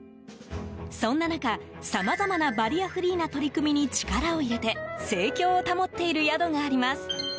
そんな中、さまざまなバリアフリーな取り組みに力を入れて盛況を保っている宿があります。